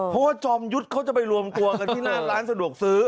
เพราะว่าจอมยุทธ์เขาจะไปรวมตัวกันที่หน้าร้านสะดวกซื้อ